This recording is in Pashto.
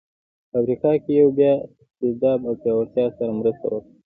په افریقا کې یې بیا استبداد او پیاوړتیا سره مرسته وکړه.